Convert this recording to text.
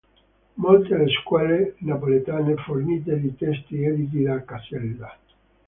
Molte le scuole napoletane fornite di testi editi da Casella.